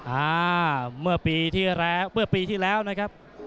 อ่าเมื่อปีที่แล้วนะครับ